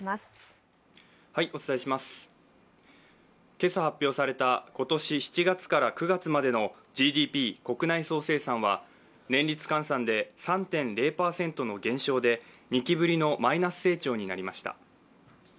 今朝発表された今年７月から９月までのＧＤＰ＝国内総生産は年率換算で３．０％の減少で２期ぶりのマイナス成長になりました。